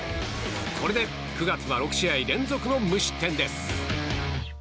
これで９月は６試合連続の無失点です。